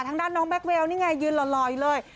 ทางด้านน้องแก๊กเวลนี่ไงยืนหล่ออยู่เลย